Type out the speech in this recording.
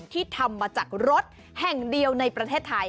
ที่ทำมาจากรถแห่งเดียวในประเทศไทย